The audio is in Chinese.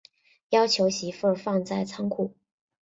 要求媳妇放在仓库